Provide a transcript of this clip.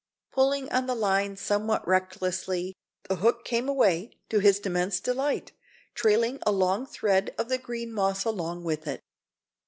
Pulling on the line somewhat recklessly, the hook came away, to his immense delight, trailing a long thread of the green moss along with it.